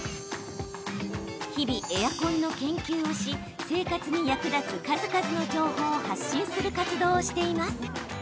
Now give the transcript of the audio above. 日々エアコンの研究をし生活に役立つ数々の情報を発信する活動をしています。